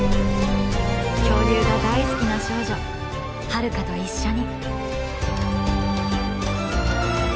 恐竜が大好きな少女ハルカと一緒に。